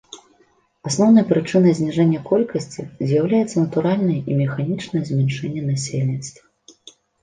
Асноўнай прычынай зніжэння колькасці з'яўляецца натуральнае і механічнае змяншэнне насельніцтва.